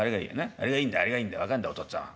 あれがいいんだあれがいいんだ分かんだお父っつぁんは。